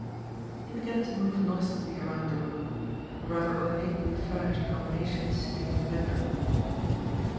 He began to move noiselessly around the room a rather ornately furnished combination sitting and bedroom.